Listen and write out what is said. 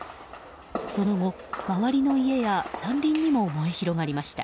その後、周りの家や山林にも燃え広がりました。